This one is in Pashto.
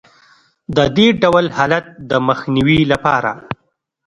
د دې ډول حالت د مخنیوي لپاره